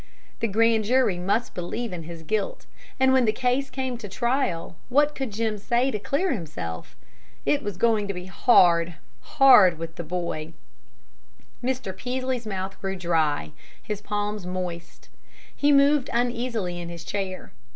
The grand jury must believe in his guilt. And when the case came to trial, what could Jim say to clear himself? It was going hard, hard with the boy. Mr. Peaslee's mouth grew dry, his palms moist; he moved uneasily in his chair.